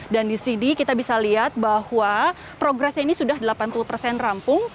dan di sini kita bisa lihat bahwa progresnya ini sudah delapan puluh rampung